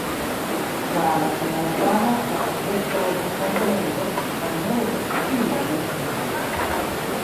Ĉar, en la japana, la subjekto estas komplemento, la rimedo specifilo ne necesas.